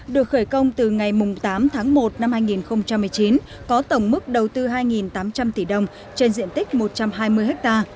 được khởi công từ ngày tám tháng một năm hai nghìn một mươi chín có tổng mức đầu tư hai tám trăm linh tỷ đồng trên diện tích một trăm hai mươi ha